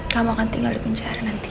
kamu akan tinggal di penjara nanti